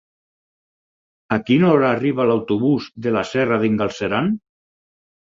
A quina hora arriba l'autobús de la Serra d'en Galceran?